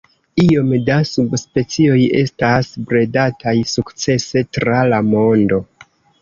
Iom da subspecioj estas bredataj sukcese tra la mondo.